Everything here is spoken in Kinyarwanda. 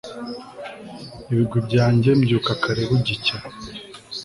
ibigwi byange!mbyuka kare bugicya